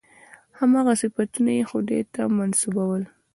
هماغه صفتونه یې خدای ته منسوبول.